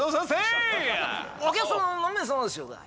お客様何名様でしょうか？